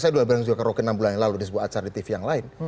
saya dua kali juga ke rokin enam bulan yang lalu di sebuah acara di tv yang lain